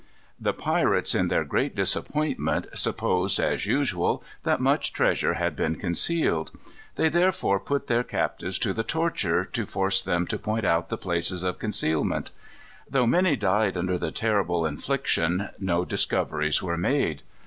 The pirates, in their great disappointment, supposed, as usual, that much treasure had been concealed. They therefore put their captives to the torture, to force them to point out the places of concealment. Though many died under the terrible infliction, no discoveries were made.